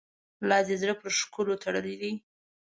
لا دي زړه پر ښکلو تړلی دی.